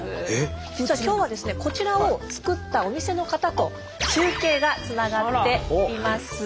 実は今日はですねこちらを作ったお店の方と中継がつながっています。